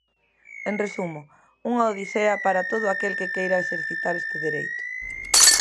En resumo, unha odisea para todo aquel que queira exercitar este dereito.